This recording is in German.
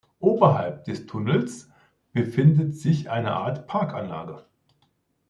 Oberhalb des Tunnels befindet sich eine Art Parkanlage.